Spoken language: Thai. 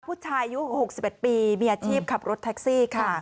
ผู้ชายอายุ๖๑ปีมีอาชีพขับรถแท็กซี่ค่ะ